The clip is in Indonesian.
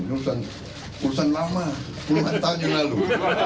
urusan lama puluhan tahun yang lalu